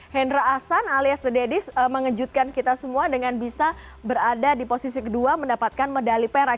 hendra ahsan alias the daddies mengejutkan kita semua dengan bisa berada di posisi kedua mendapatkan medali perak